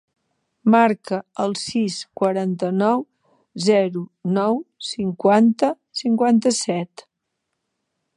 Marca el sis, quaranta-nou, zero, nou, cinquanta, cinquanta-set.